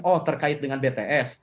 oh terkait dengan bts